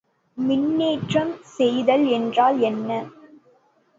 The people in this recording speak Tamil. மின்னேற்றம் செய்தல் என்றால் என்ன?